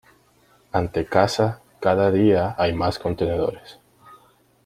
Ante casa cada día hay más contenedores.